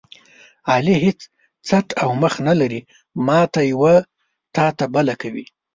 علي هېڅ څټ او مخ نه لري، ماته یوه تاته بله کوي.